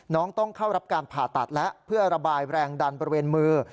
ต้องเข้ารับการผ่าตัดแล้วเพื่อระบายแรงดันบริเวณมือ